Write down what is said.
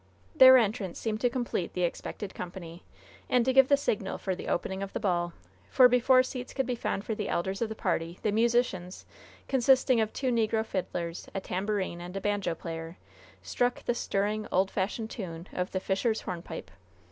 Their entrance seemed to complete the expected company, and to give the signal for "the opening of the ball," for before seats could be found for the elders of the party the musicians, consisting of two negro fiddlers, a tambourine and a banjo player, struck the stirring, old fashioned tune of the "Fisher's Hornpipe."